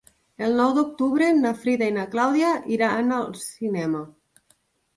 El nou d'octubre na Frida i na Clàudia iran al cinema.